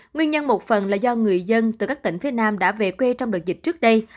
nguyên nhân một phần là do người dân từ các tỉnh phía nam đã về quê trong đợt dịch trước đây